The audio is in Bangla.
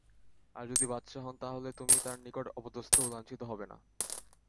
আর যদি বাদশাহ হন তাহলে তুমি তার নিকট অপদস্ত ও লাঞ্ছিত হবে না।